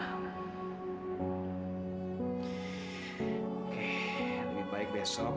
oke lebih baik besok